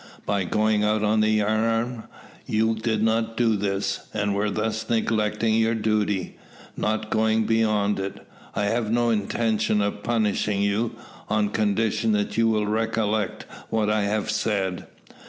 By going out on the yard arm you could not do this, and were thus neglecting your duty not going beyond it. I have no intention of punishing you, on condition that you will recollect what I have said."